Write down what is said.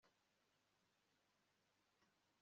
mike yavuze ko azaza